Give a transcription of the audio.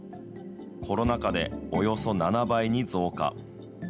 コロナ禍でおよそ７倍に増加。